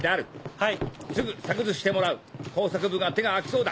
はい。